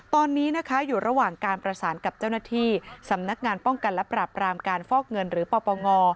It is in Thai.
ตอนนี้นะคะอยู่ระหว่างการประสานกับเจ้าหน้าที่สำนักงานป้องกันและปรับรามการฟอกเงินหรือปปง